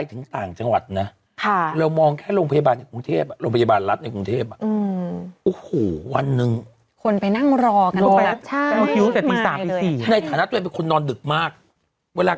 เอาง่ายไม่ต้องแกร่